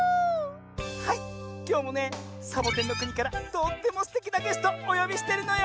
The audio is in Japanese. はいきょうもねサボテンのくにからとってもすてきなゲストおよびしてるのよ。